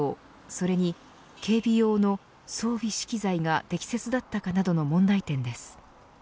それに警備用の装備資機材が適切だったかなどの問題点です。